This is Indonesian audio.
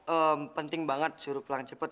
ee penting banget suruh pulang cepet